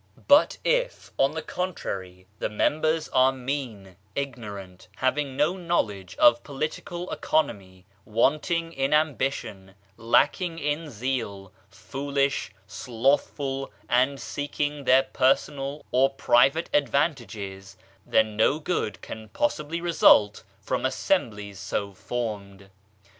But if, on the contrary, the members are mean, ignorant, having no knowledge of political economy, wanting in ambition, lacking in zeal, foolish, slothful, and seeking their personal or private advantages, then no good can possibly re sult from Assemblies so formed.